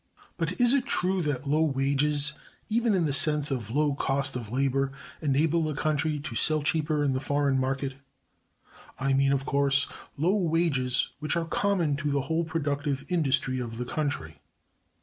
But is it true that low wages, even in the sense of low Cost of Labor, enable a country to sell cheaper in the foreign market? I mean, of course, low wages which are common to the whole productive industry of the country.